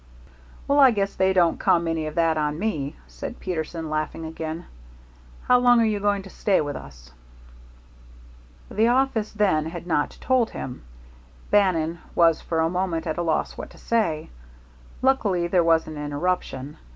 "Well, I guess they don't come any of that on me," said Peterson, laughing again. "How long are you going to stay with us?" The office, then, had not told him. Bannon was for a moment at a loss what to say. Luckily there was an interruption.